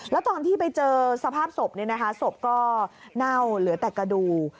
แล้วตอนที่ไปเจอสภาพศพศพก็เน่าเหลือแต่กระดูก